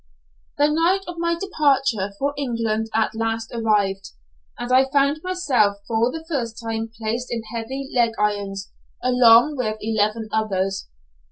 The night of my departure for England at last arrived, and I found myself for the first time placed in heavy leg irons, along with eleven others.